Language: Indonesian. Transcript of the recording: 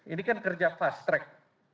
ini kan kerja fast track